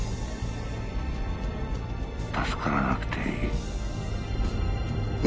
助からなくていい